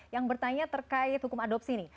yang bertanya terkait hukum adopsi nih